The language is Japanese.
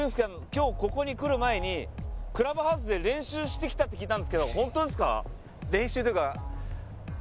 今日ここに来る前にクラブハウスで練習してきたって聞いたんすけど本当ですか？